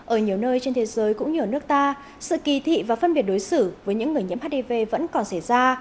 ở nhiều nơi trên thế giới cũng như ở nước ta sự kỳ thị và phân biệt đối xử với những người nhiễm hiv vẫn còn xảy ra